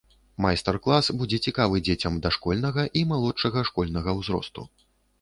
Майстар-клас будзе цікавы дзецям дашкольнага і малодшага школьнага ўзросту.